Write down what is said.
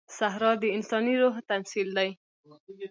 صحرا د انساني روح تمثیل دی.